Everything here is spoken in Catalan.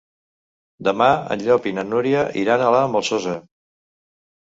Demà en Llop i na Núria iran a la Molsosa.